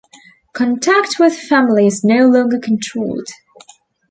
Contact with family is no longer controlled.